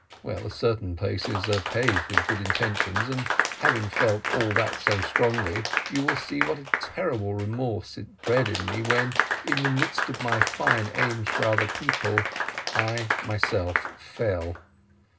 "Well, a certain place is paved with good intentions, and having felt all that so strongly, you will see what a terrible remorse it bred in me when, in the midst of my fine aims for other people, I myself fell."